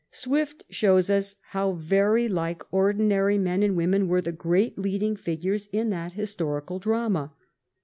Swift shows us how very like ordinary men and women were the great leading figures in that historical drama.